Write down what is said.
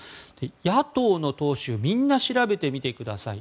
野党の党首みんな調べてみてください